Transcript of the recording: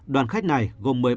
đoàn khách này gồm